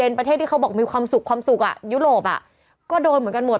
เป็นประเทศที่เขาบอกมีความสุขความสุขอ่ะยุโรปอ่ะก็โดนเหมือนกันหมด